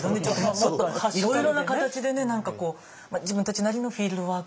もっといろいろな形でね何かこう自分たちなりのフィールドワーク。